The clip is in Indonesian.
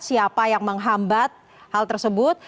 siapa yang menghambat hal tersebut